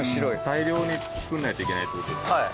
大量に作らないといけないって事ですか？